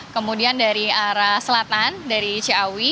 kemudian dari arah selatan dari ciawi